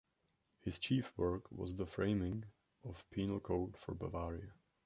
His chief work was the framing of a penal code for Bavaria.